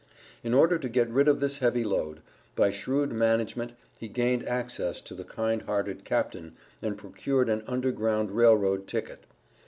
In order to get rid of this heavy load, by shrewd management he gained access to the kind hearted Captain and procured an Underground Rail Road ticket.